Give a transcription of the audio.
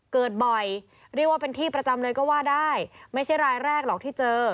เกิดบ่อยเรียกว่าเป็นที่ประจำเลยก็ว่าได้ไม่ใช่รายแรกหรอกที่เจอ